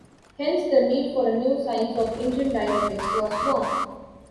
Hence the need for a new science of engine dynamics was born.